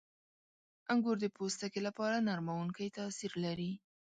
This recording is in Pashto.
• انګور د پوستکي لپاره نرمونکی تاثیر لري.